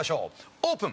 オープン！